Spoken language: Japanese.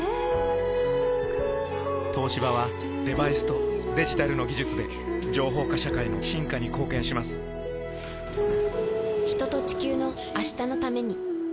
東芝はデバイスとデジタルの技術で情報化社会の進化に貢献します人と、地球の、明日のために。